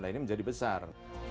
nah ini menjadi besar